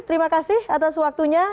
terima kasih atas waktunya